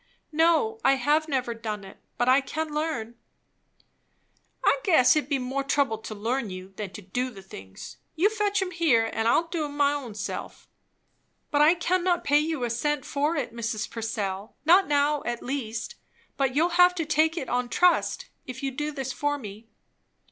"No, I have never done it. But I can learn." "I guess it'd be more trouble to learn you, than to do the things. You fetch 'em here, and I'll do 'em my own self." "But I cannot pay you a cent for it, Mrs. Purcell; not now, at least. You'll have to take it on trust, if you do this for me."